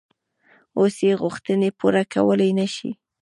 اوس یې غوښتنې پوره کولای نه شي.